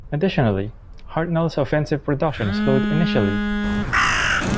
Additionally, Hartnell's offensive production slowed initially.